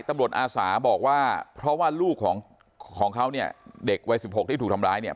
อาสาบอกว่าเพราะว่าลูกของของเขาเนี่ยเด็กวัย๑๖ที่ถูกทำร้ายเนี่ย